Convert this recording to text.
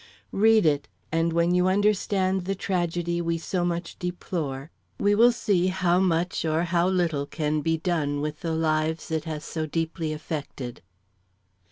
Read it, and when you understand the tragedy we so much deplore, we will see how much or how little can be done with the lives it has so deeply affected."